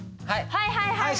はいはいはい！